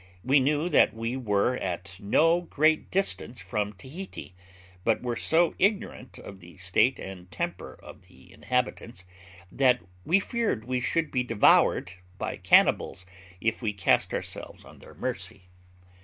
We knew that we were at no great distance from Tahiti, but were so ignorant of the state and temper of the inhabitants, that we feared we should be devoured by cannibals, if we cast ourselves on their mercy.